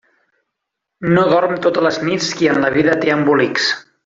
No dorm totes les nits qui en la vida té embolics.